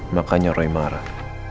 makanya roy marah